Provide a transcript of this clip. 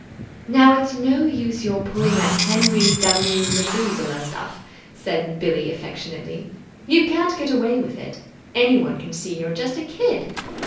"Now, it's no use your pulling that Henry W. Methuselah stuff," said Billie affectionately. "You can't get away with it. Anyone can see you're just a kid.